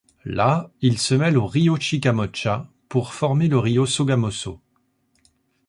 Là, il se mêle au río Chicamocha pour former le río Sogamoso.